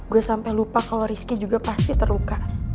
gue sampai lupa kalau rizky juga pasti terluka